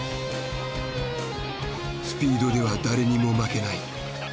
スピードでは誰にも負けない。